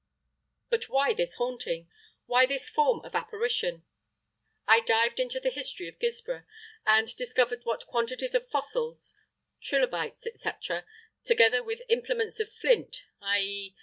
But why this haunting? Why this form of apparition? I dived into the history of Guilsborough, and discovered that quantities of fossils (trilobites, &c.), together with implements of flint _i.e.